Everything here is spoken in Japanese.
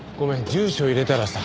住所入れたらさ